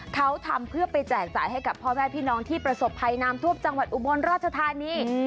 เขาทำเพื่อไปแจกจ่ายให้กับพ่อแม่พี่น้องที่ประสบภัยน้ำท่วมจังหวัดอุบลราชธานี